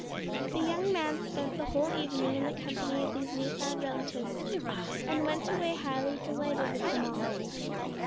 The young man spent the whole evening in the company of these new found relatives, and went away highly delighted with them all.